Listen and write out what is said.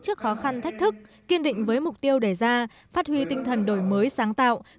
trước khó khăn thách thức kiên định với mục tiêu đề ra phát huy tinh thần đổi mới sáng tạo